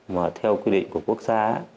mà theo quy định của quốc gia